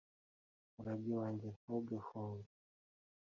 murage wanjye ntugahuge